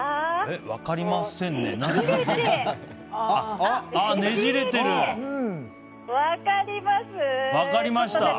分かりました。